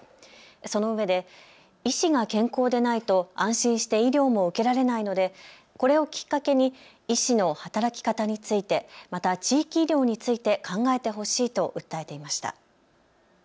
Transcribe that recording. そのうえで医師が健康でないと安心して医療も受けられないのでこれをきっかけに医師の働き方について、また地域医療について考えてほしいと訴えていました。